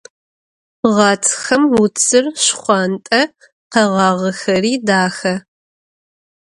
Ğatxem vutsır şşxhuant'e, kheğağexeri daxe.